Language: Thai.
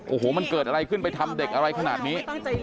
โอ้โหมันเกิดอะไรขึ้นไปทำเด็กอะไรขนาดนี้